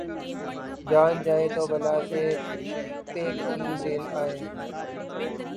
جان جائے تو بلا سے‘ پہ کہیں دل آئے